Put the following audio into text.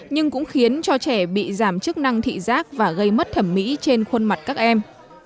nhưng cũng khiến cho trẻ bị giảm chức năng thị giác và gây mất thẩm mỹ trên khuôn mặt các em